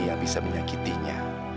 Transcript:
yang bisa menyakitinya